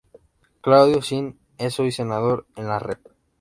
Claudio Zin es hoy día Senador en la Rep.